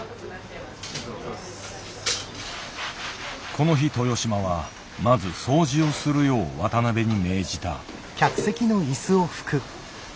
この日豊島はまず掃除をするよう渡辺に命じた。